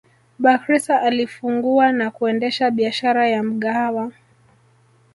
Bakhresa alifungua na kuendesha biashara ya Mgahawa